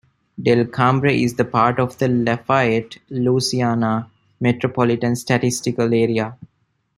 Delcambre is the part of the Lafayette, Louisiana Metropolitan Statistical Area.